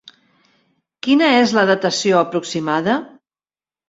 Quina és la datació aproximada?